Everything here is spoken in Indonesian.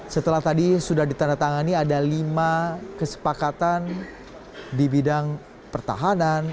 setelah tadi sudah ditandatangani ada lima kesepakatan di bidang pertahanan